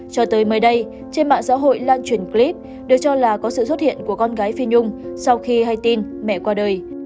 cho tới đây trên mạng xã hội lan truyền clip được cho là có sự xuất hiện của con gái phi nhung sau khi hay tin mẹ qua đời